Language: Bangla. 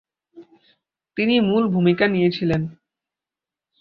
তিনি মূল ভূমিকা নিয়েছিলেন।